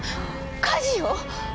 火事よ！